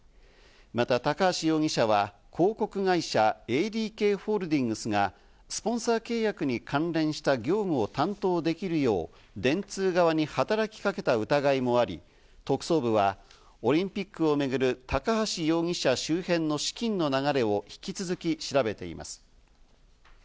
また高橋容疑者は広告会社ＡＤＫホールディングスがスポンサー契約に関連した業務を担当できるよう、電通側に働きかけた疑いもあり、特捜部はオリンピックをめぐる高橋容疑者周辺の資金の流れを引き続き調べています。